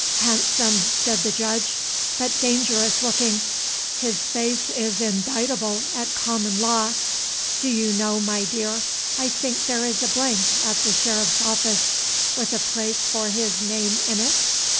"Handsome," said the Judge, "but dangerous looking. His face is indictable at common law. Do you know, my dear, I think there is a blank at the Sheriff's office, with a place for his name in it?"